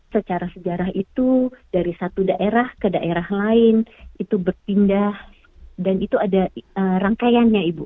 secara sejarah itu dari satu daerah ke daerah lain itu berpindah dan itu ada rangkaiannya ibu